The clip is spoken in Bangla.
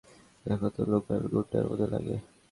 দেখে তো লোকাল গুণ্ডার মতো লাগে।